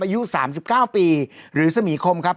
อายุ๓๙ปีหรือสมีคมครับ